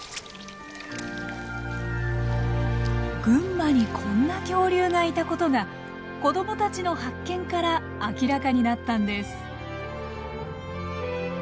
群馬にこんな恐竜がいたことが子供たちの発見から明らかになったんです。